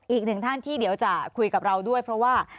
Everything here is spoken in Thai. อีกหนึ่งท่านที่เดี๋ยวจะคุยกับเราด้วยเพราะว่า